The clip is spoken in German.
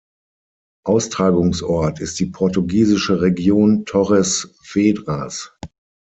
Austragungsort ist die portugiesische Region Torres Vedras.